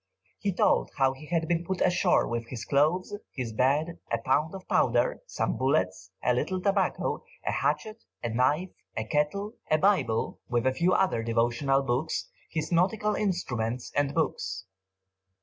He told how he had been put ashore with his clothes, his bed, a pound of powder, some bullets, a little tobacco, a hatchet, a knife, a kettle, a Bible, with a few other devotional books, his nautical instruments and books.